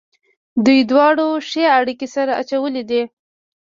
دوی دواړو ښې اړېکې سره اچولې دي.